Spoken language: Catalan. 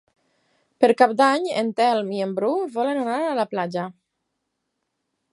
Per Cap d'Any en Telm i en Bru volen anar a la platja.